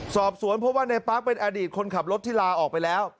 สอบสวนเพราะว่าในปั๊กเป็นอดีตคนขับรถที่ลาออกไปแล้ว